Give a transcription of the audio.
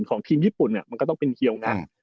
ของทีมญี่ปุ่นมันก็ต้องเป็นเฮียวนะ